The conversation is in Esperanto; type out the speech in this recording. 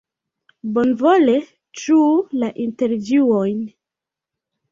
Bonvole ĝuu la intervjuon!